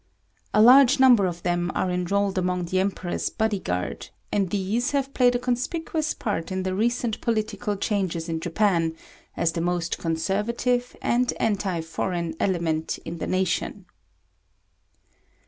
A large number of them are enrolled among the Emperor's body guard; and these have played a conspicuous part in the recent political changes in Japan, as the most conservative and anti foreign element in the nation.